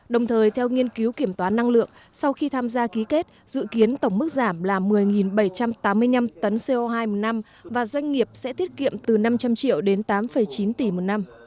đồng thời theo nghiên cứu kiểm toán năng lượng sau khi tham gia ký kết dự kiến tổng mức giảm là một mươi bảy trăm tám mươi năm tấn co hai một năm và doanh nghiệp sẽ tiết kiệm từ năm trăm linh triệu đến tám chín tỷ một năm